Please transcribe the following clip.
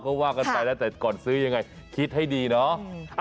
ก็ว่ากันไปแล้วแต่ก่อนซื้อยังไงคิดให้ดีเนาะ